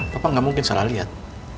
papa gak mungkin salah lihat